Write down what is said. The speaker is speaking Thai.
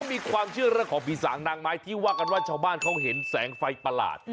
มีความเชื่อเรื่องของผีสางนางไม้ที่ว่ากันว่าชาวบ้านเขาเห็นแสงไฟประหลาด